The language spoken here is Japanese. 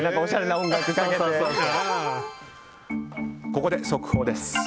ここで速報です。